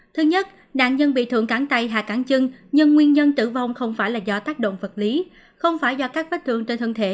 thứ nhất nạn nhân bị thượng cắn tay hạ cánh chân nhưng nguyên nhân tử vong không phải là do tác động vật lý không phải do các vết thương trên thân thể